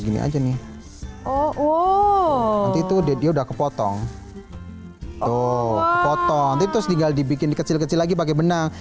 gini aja nih oh itu dia udah kepotong oh potong itu tinggal dibikin kecil kecil lagi pakai benang